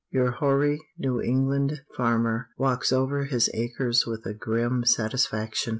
Your hoary New England farmer walks over his acres with a grim satisfaction.